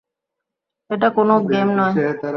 এটা কোনো গেম নয়।